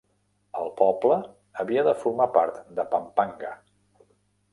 El poble havia de formar part de Pampanga.